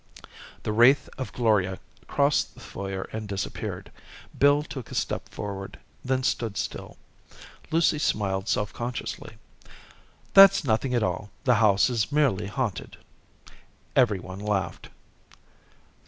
The wraith of Gloria crossed the foyer and disappeared. Bill took a step forward; then stood still. Lucy smiled self consciously. "That's nothing at all. The house is merely haunted." Everyone laughed.